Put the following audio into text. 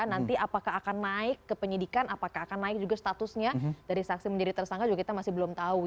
nanti apakah akan naik ke penyidikan apakah akan naik juga statusnya dari saksi menjadi tersangka juga kita masih belum tahu